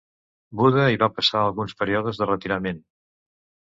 Buda hi va passar alguns períodes de retirament.